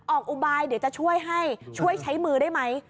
อุบายเดี๋ยวจะช่วยให้ช่วยใช้มือได้ไหม